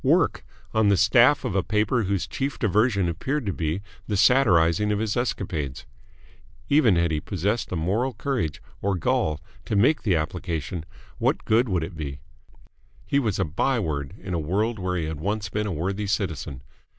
Work! on the staff of a paper whose chief diversion appeared to be the satirising of his escapades! Even had he possessed the moral courage or gall to make the application, what good would it be? He was a by word in a world where he had once been a worthy citizen.